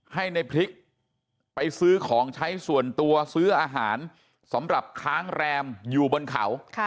ให้ในพริกไปซื้อของใช้ส่วนตัวซื้ออาหารสำหรับค้างแรมอยู่บนเขา